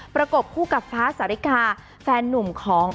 ประกบคู่กับฟ้าสาริกาแฟนนุ่มของ